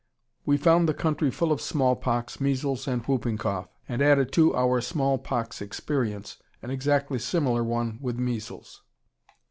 We found the country full of smallpox, measles, and whooping cough, and added to our smallpox experience an exactly similar one with measles.